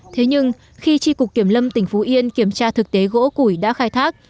thế nhưng khi tri cục kiểm lâm tỉnh phú yên kiểm tra thực tế gỗ củi đã khai thác